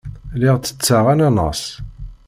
Lliɣ ttetteɣ ananaṣ.